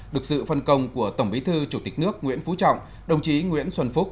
được sự phân công của tổng bí thư chủ tịch nước nguyễn phú trọng đồng chí nguyễn xuân phúc